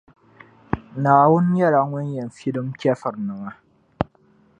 Naawuni nyɛla Ŋun yɛn filim chεfurinima.